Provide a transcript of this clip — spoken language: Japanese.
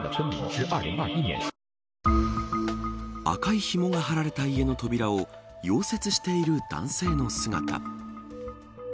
赤いひもが張られた家の扉を溶接している男性の姿。